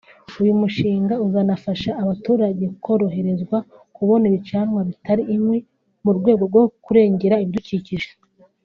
uyu mushinga uzanafasha abaturage koroherezwa kubona ibicanwa bitari inkwi mu rwego rwo kurengera ibidukikije